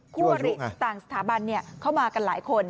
คู่อริต่างสถาบันเข้ามากันหลายคน